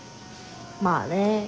まあね。